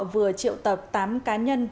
vừa triệu tập tám cá nhân